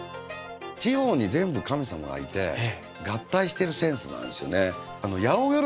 地方に全部神様がいて合体してるセンスなんですよね。